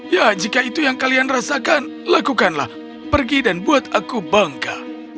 ya jika itu yang kalian rasakan lakukanlah pergi dan buat aku bangga